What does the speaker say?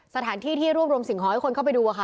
สถานที่ที่รวบรวมสิ่งของให้คนเข้าไปดูค่ะ